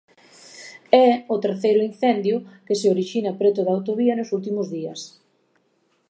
É o terceiro incendio que se orixina preto da autovía nos últimos días.